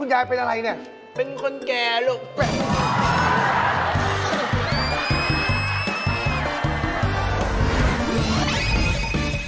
คุณยายเคี้ยวอะไรในผากแล้วน่ะ